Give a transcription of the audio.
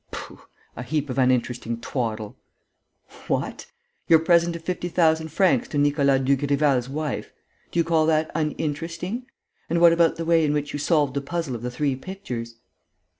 "Pooh! A heap of uninteresting twaddle!" "What! Your present of fifty thousand francs to Nicolas Dugrival's wife! Do you call that uninteresting? And what about the way in which you solved the puzzle of the three pictures?"